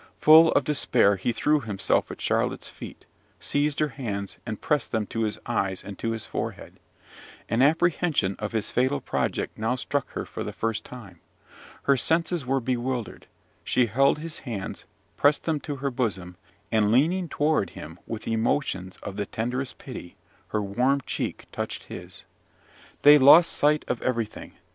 Full of despair, he threw himself at Charlotte's feet, seized her hands, and pressed them to his eyes and to his forehead. An apprehension of his fatal project now struck her for the first time. Her senses were bewildered: she held his hands, pressed them to her bosom; and, leaning toward him with emotions of the tenderest pity, her warm cheek touched his. They lost sight of everything.